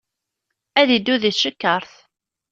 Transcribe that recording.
Ad iddu di tcekkaṛt.